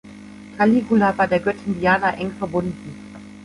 Caligula war der Göttin Diana eng verbunden.